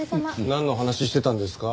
なんの話してたんですか？